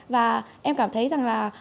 và em cảm thấy rằng là